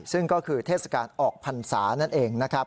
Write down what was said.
ซึ่งก็คือเทศกาลออกพรรษานั่นเองนะครับ